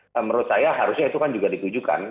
jadi menurut saya harusnya itu kan juga ditujukan